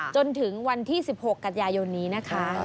จนถึงวันที่๑๖กันยายนนี้นะคะ